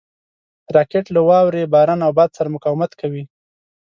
راکټ له واورې، باران او باد سره مقاومت کوي